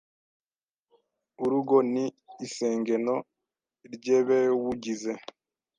Urugo ni isengeno ry’ebewugize: